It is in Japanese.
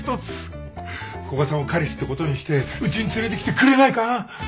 古賀さんを彼氏ってことにしてうちに連れてきてくれないかな？